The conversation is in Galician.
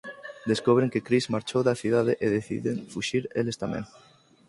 Descobren que Chris marchou da cidade e deciden fuxir eles tamén.